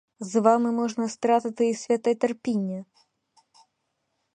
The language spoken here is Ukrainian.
З вами можна стратити і святе терпіння!